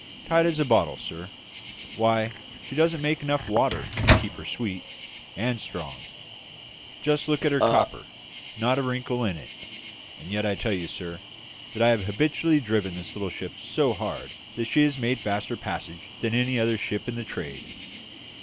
"Tight as a bottle, sir. Why, she don't make enough water to keep her sweet! And strong! just look at her copper not a wrinkle in it; and yet I tell you, sir, that I have habitually driven this little ship so hard that she has made faster passages than any other ship in the trade.